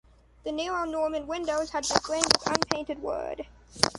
The narrow Norman windows had been framed with unpainted wood.